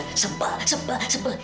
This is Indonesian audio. tante sepah sepah sepah